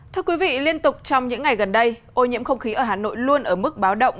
thưa quý vị liên tục trong những ngày gần đây ô nhiễm không khí ở hà nội luôn ở mức báo động